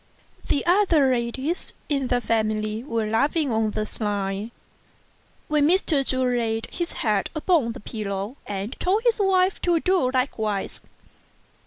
The other ladies of the family were laughing on the sly, when Mr. Chu laid his head upon the pillow, and told his wife to do likewise.